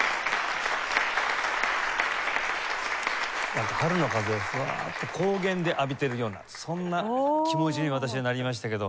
なんか春の風をフワッと高原で浴びてるようなそんな気持ちに私はなりましたけど。